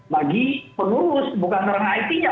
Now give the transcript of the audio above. bagi pengurus bukan orang it nya